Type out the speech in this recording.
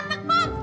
raka jangan bander